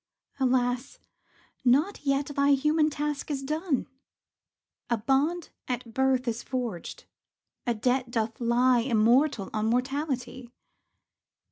Alas, not yet thy human task is done! A bond at birth is forged; a debt doth lie Immortal on mortality.